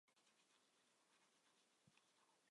陡峭的峡谷壁几乎没有植被。